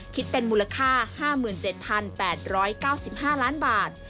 คิดเป็นมูลค่า๕๗๘๙๕ล้านบาท